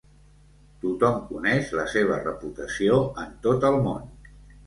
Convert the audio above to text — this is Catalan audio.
Tothom coneix la seva reputació en tot el món.